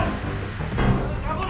pak diam pak